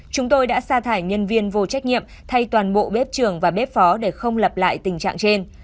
chúng tôi đã xa thải nhân viên vô trách nhiệm thay toàn bộ bếp trường và bếp phó để không lặp lại tình trạng trên